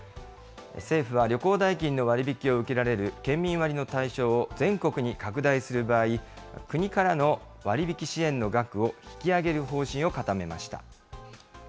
政府は旅行代金の割引を受けられる県民割の対象を全国に拡大する場合、国からの割引支援の額を引き上げる方針を固めました。